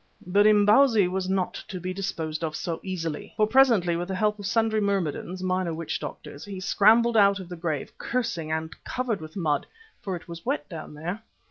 But Imbozwi was not to be disposed of so easily, for presently, with the help of sundry myrmidons, minor witch doctors, he scrambled out of the grave, cursing and covered with mud, for it was wet down there.